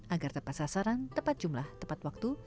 agar tepat sasaran tepat jumlah tepat waktu